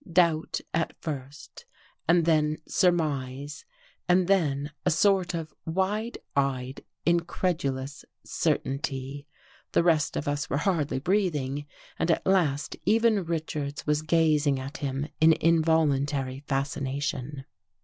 Doubt at first and then surmise, and then a sort of wide eyed, incredulous certainty. The rest of us were hardly breathing, and at last even Richards was gazing at him in involuntary fascination.